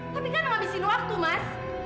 tapi kan ngabisin waktu mas